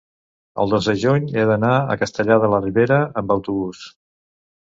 el dos de juny he d'anar a Castellar de la Ribera amb autobús.